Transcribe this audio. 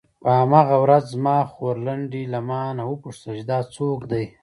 په هماغه ورځ زما خورلنډې له مانه وپوښتل چې دا څوک دی.